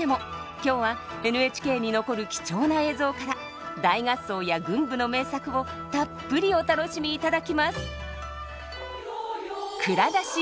今日はＮＨＫに残る貴重な映像から大合奏や群舞の名作をたっぷりお楽しみいただきます。